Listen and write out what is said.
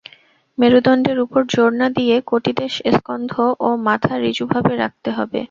মেরুদণ্ডের উপর জোর না দিয়ে কটিদেশ, স্কন্ধ ও মাথা ঋজুভাবে রাখতে হবে।